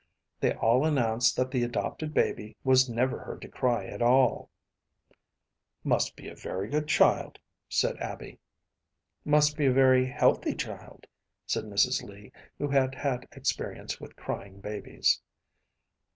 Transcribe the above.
They all announced that the adopted baby was never heard to cry at all. “Must be a very good child,‚ÄĚ said Abby. “Must be a very healthy child,‚ÄĚ said Mrs. Lee, who had had experience with crying babies.